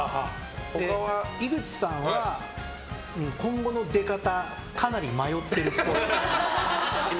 井口さんは今後の出方かなり迷ってるっぽい。